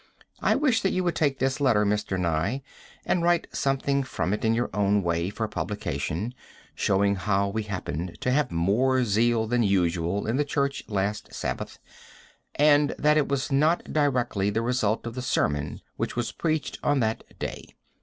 I wish that you would take this letter, Mr. Nye, and write something from it in your own way, for publication, showing how we happened to have more zeal than usual in the church last Sabbath, and that it was not directly the result of the sermon which was preached on that day.